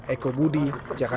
eko budi jakarta